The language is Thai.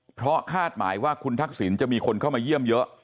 เพราะคาดหมายว่าคุณทักษิณจะมีคนเข้ามาเยี่ยมเยอะ